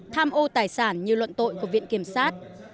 tham ô tài sản như luận tội của viện kiểm sát